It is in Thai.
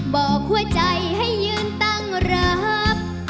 บอกหัวใจให้ยืนตั้งรับ